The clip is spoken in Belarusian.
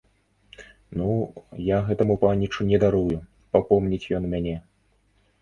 Ну, я гэтаму панічу не дарую, папомніць ён мяне!